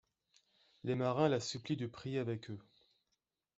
Les marins la supplient de prier avec eux.